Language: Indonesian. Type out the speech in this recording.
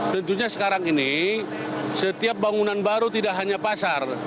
tentunya sekarang ini setiap bangunan baru tidak hanya pasar